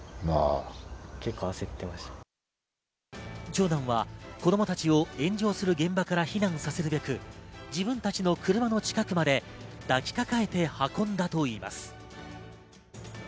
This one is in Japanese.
長男は子供たちを炎上する現場から避難させるべく、自分たちの車の近くまで、抱きかかえて運んだといいます。